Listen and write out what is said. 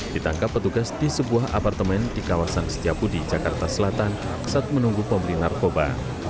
ditangkap petugas di sebuah apartemen di kawasan setiabudi jakarta selatan saat menunggu pembeli narkoba